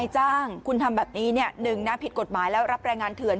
จ้างคุณทำแบบนี้๑นะผิดกฎหมายแล้วรับแรงงานเถื่อน